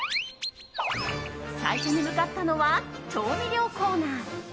最初に向かったのは調味料コーナー。